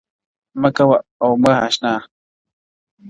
• مـــــه كـــــوه او مـــه اشـــنـــا.